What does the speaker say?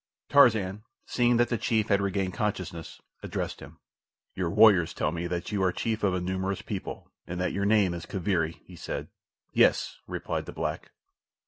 Tarzan, seeing that the chief had regained consciousness, addressed him. "Your warriors tell me that you are the chief of a numerous people, and that your name is Kaviri," he said. "Yes," replied the black.